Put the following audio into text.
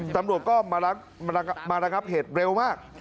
ตำรวจก็มาระงับเหตุเร็วมาก